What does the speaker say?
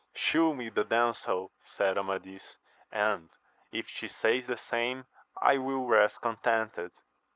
Shew me the damsel, said Amadis, and, if she says the same, I will rest contented.